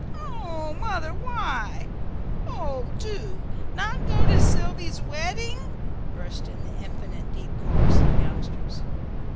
"Oh, Mother! Why? Oh, do! Not go to Sylvy's wedding?" burst in the "infinite deep chorus" of youngsters.